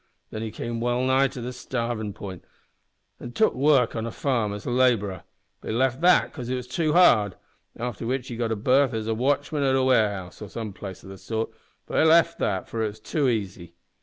Then he came well nigh to the starvin' p'int an' took work on a farm as a labourer, but left that 'cause it was too hard, after which he got a berth as watchman at a warehouse, or some place o' the sort but left that, for it was too easy.